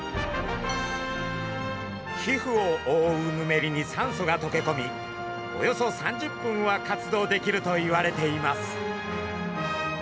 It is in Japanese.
皮膚をおおうヌメリに酸素がとけこみおよそ３０分は活動できるといわれています。